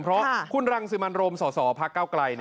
เพราะคุณรังสิมันโรมสสพักเก้าไกล